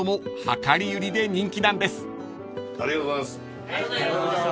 ありがとうございます。